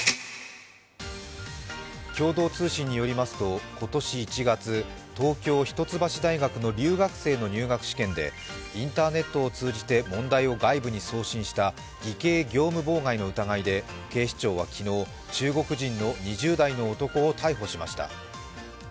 共同通信によりますと、今年１月東京・一橋大学の留学生の入学試験でインターネットを通じて問題を外部に送信した偽計業務妨害の疑いで警視庁は昨日、中国人の２０代の男を逮捕しました。